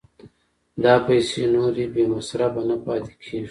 دا پیسې نورې بې مصرفه نه پاتې کېږي